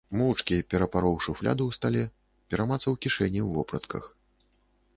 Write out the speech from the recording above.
Моўчкі перапароў шуфляду ў стале, перамацаў кішэні ў вопратках.